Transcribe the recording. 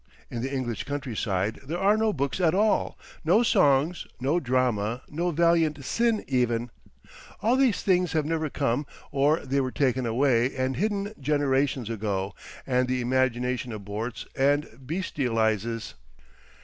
In the English countryside there are no books at all, no songs, no drama, no valiant sin even; all these things have never come or they were taken away and hidden generations ago, and the imagination aborts and bestialises.